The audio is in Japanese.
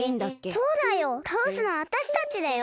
そうだよたおすのはわたしたちだよ。